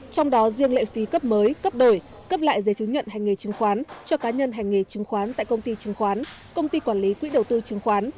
trong đó riêng lệ phí cấp mới cấp đổi cấp lại giấy chứng nhận hành nghề chứng khoán cho cá nhân hành nghề chứng khoán tại công ty chứng khoán công ty quản lý quỹ đầu tư chứng khoán